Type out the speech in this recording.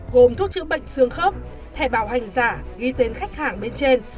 gồm thuốc chữa bệnh xương khớp thẻ bảo hành giả ghi tên khách hàng bên trên